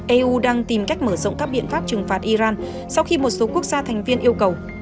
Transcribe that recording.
eu đang tìm cách mở rộng các biện pháp trừng phạt iran sau khi một số quốc gia thành viên yêu cầu